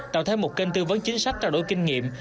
tạo thêm một kênh tư vấn chính sách trao đổi kinh nghiệm